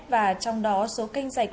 và trong đó số canh dạch